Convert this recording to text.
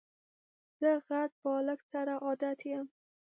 زه غټ بالښت سره عادت یم.